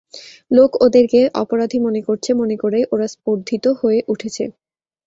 লোকে ওদেরকে অপরাধী মনে করছে মনে করেই ওরা স্পর্ধিত হয়ে উঠেছে।